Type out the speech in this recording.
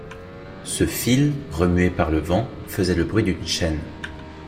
Ce fil, remué par le vent, faisait le bruit d’une chaîne.